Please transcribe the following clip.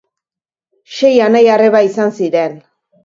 Sei anai arreba izan ziren.